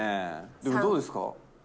でもどうですか。